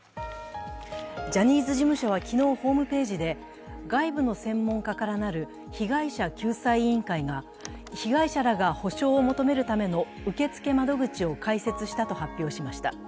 ジャニーズ事務所は昨日ホームページで、外部の専門家から成る被害者救済委員会が被害者らが補償を求めるための受付窓口を開設したと発表しました。